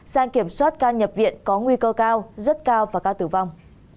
sang kiểm soát ca nhập viện có nguy cơ cao rất cao và ca tử vong